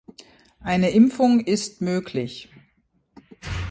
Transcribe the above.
Eine Impfung ist möglich.